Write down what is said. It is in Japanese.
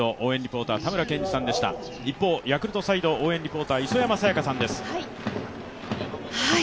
一方、ヤクルトサイド応援リポーター、磯山さやかさんです。